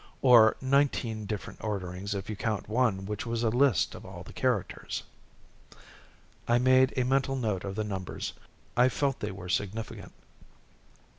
Or nineteen different orderings if you count one which was a list of all the characters." I made a mental note of the numbers. I felt they were significant.